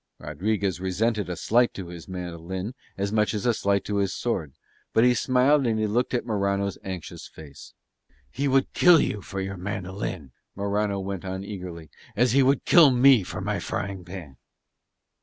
Rodriguez resented a slight to his mandolin as much as a slight to his sword, but he smiled as he looked at Morano's anxious face. "He would kill you for your mandolin," Morano went on eagerly, "as he would kill me for my frying pan."